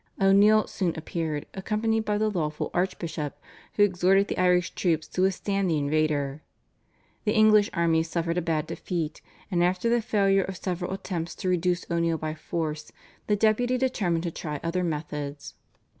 O'Neill soon appeared accompanied by the lawful archbishop, who exhorted the Irish troops to withstand the invader. The English army suffered a bad defeat, and after the failure of several attempts to reduce O'Neill by force, the Deputy determined to try other methods.